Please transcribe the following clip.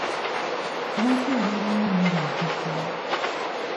Lwaki obeera nnyo awali akavuyo?